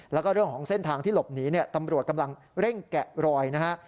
แล้วก็เรื่องของเส้นทางที่หลบหนีเนี่ยตำรวจกำลังเร่งแกะรอยนะฮะ